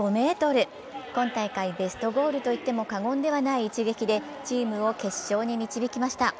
今大会ベストゴールと言っても過言ではない一撃でチームを決勝に導きました。